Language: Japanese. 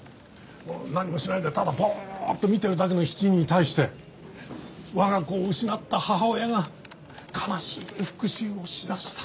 何もしないでただぼーっと見てるだけの７人に対して我が子を失った母親が悲しい復讐をしだした。